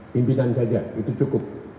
pimpinan saja itu cukup